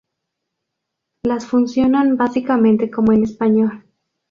Las funcionan básicamente como en español.